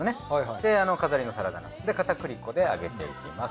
で飾りのサラダ菜。で片栗粉で揚げていきます。